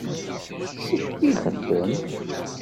Acu ixeddem?